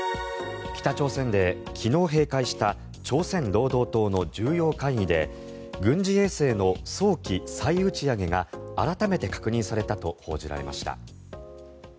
北朝鮮で昨日閉会した朝鮮労働党の重要会議で軍事衛星の早期再打ち上げが改めて確認されたと報じられました。